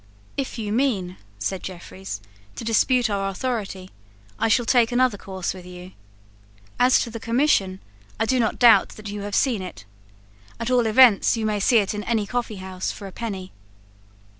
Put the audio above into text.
"If you mean," said Jeffreys, "to dispute our authority, I shall take another course with you. As to the Commission, I do not doubt that you have seen it. At all events you may see it in any coffeehouse for a penny."